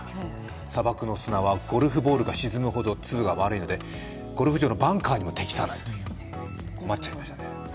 砂漠の砂はゴルフボールが沈むほど粒が丸いのでゴルフ場のバンカーにも適さない、困っちゃいましたね。